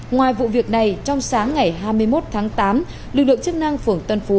ngoài vụ việc này trong sáng ngày hai mươi một tháng tám lực lượng chức năng phường tân phú